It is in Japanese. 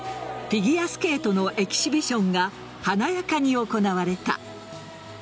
フィギュアスケートのエキシビションが華やかに行われた。